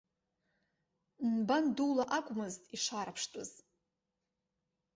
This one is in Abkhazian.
Нбан дула акәмызт ишаарԥштәыз.